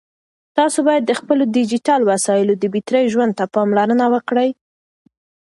تاسو باید د خپلو ډیجیټل وسایلو د بېټرۍ ژوند ته پاملرنه وکړئ.